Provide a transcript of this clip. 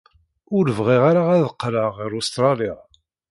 Ur bɣiɣ ara ad qqleɣ ɣer Ustṛalya.